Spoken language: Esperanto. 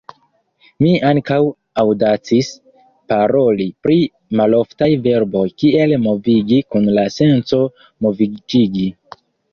Mi ankaŭ aŭdacis paroli pri maloftaj verboj kiel "movigi" kun la senco "moviĝigi".